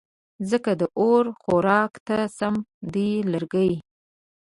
ځکه د اور خوراک ته سم دي لرګې